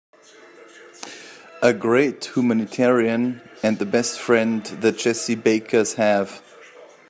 A great humanitarian and the best friend the Jessie Bakers have.